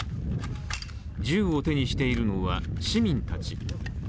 銃を手にしているのは市民たち。